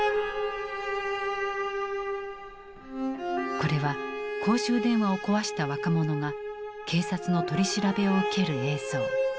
これは公衆電話を壊した若者が警察の取り調べを受ける映像。